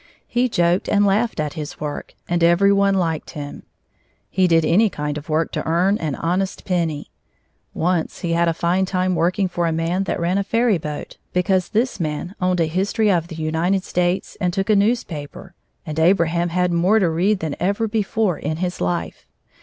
He joked and laughed at his work, and every one liked him. He did any kind of work to earn an honest penny. Once he had a fine time working for a man that ran a ferry boat, because this man owned a history of the United States and took a newspaper, and Abraham had more to read than ever before in his life.